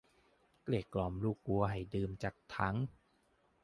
เกลี้ยกล่อมลูกวัวให้ดื่มจากถัง